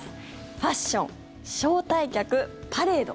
ファッション、招待客、パレード